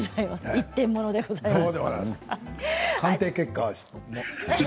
１点物でございます。